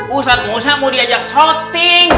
ustadz musa mau diajak shooting